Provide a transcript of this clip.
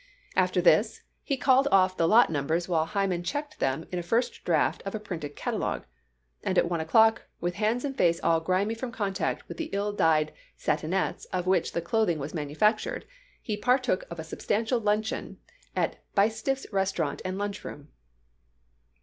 After this, he called off the lot numbers while Hyman checked them in a first draft of a printed catalogue, and at one o'clock, with hands and face all grimy from contact with the ill dyed satinets of which the clothing was manufactured, he partook of a substantial luncheon at Bleistift's Restaurant and Lunch Room.